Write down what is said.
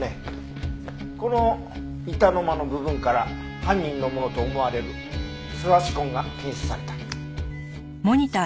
この板の間の部分から犯人のものと思われる素足痕が検出された。